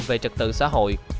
về trật tự xã hội